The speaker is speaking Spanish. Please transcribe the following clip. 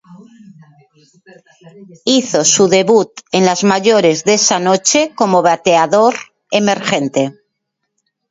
Hizo su debut en las mayores de esa noche como bateador emergente.